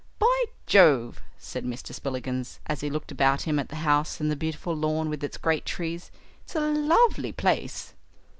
"By Jove!" said Mr. Spillikins, as he looked about him at the house and the beautiful lawn with its great trees, "it's a lovely place."